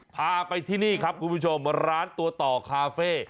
พาไปที่นี่ครับคุณผู้ชมร้านตัวต่อคาเฟ่